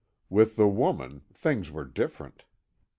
With the woman, things were different.